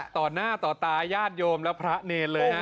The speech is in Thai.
ต่อหน้าต่อตายาดโยมและพระเนรเลยนะ